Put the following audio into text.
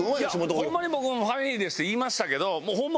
ホンマに僕も「ファミリーです」って言いましたけどホンマ